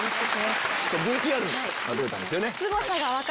ＶＴＲにまとめたんですよね。